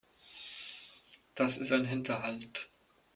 Das ist ein Hinterhalt.